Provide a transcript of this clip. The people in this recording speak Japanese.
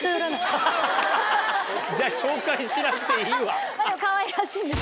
・じゃあ紹介しなくていいわ！